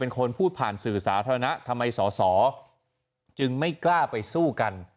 คนพูดผ่านสื่อสาธารณะทำไมสอสอจึงไม่กล้าไปสู้กัน